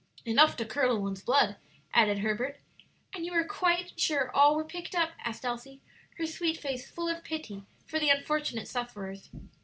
"Enough to curdle one's blood," added Herbert. "And you are quite sure all were picked up?" asked Elsie, her sweet face full of pity for the unfortunate sufferers.